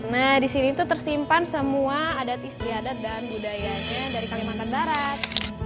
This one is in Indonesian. nah disini tersimpan semua adat istri adat dan budayanya dari kalimantan barat